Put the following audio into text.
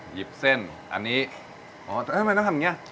หยิบเส้นอันนี้อ๋อทำไมต้องทำอย่างนี้